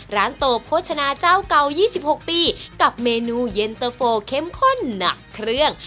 โตโภชนาเจ้าเก่า๒๖ปีกับเมนูเย็นเตอร์โฟเข้มข้นหนักเครื่อง